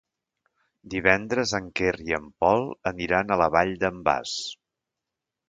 Divendres en Quer i en Pol aniran a la Vall d'en Bas.